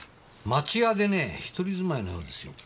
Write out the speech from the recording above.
町屋でねぇ独り住まいのようですよ。